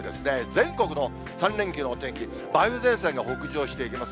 全国の３連休のお天気、梅雨前線が北上していきます。